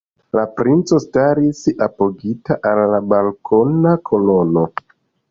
La princo staris apogita al la balkona kolono.